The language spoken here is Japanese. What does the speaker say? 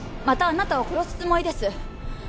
またあなたを殺すつもりです